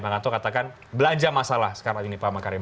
pak hikmanto katakan belanja masalah sekarang ini pak makarim